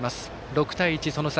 ６対１、その差